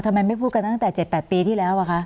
ทำไมไม่พูดกันตั้งแต่๗๘ปีที่แล้วอะคะ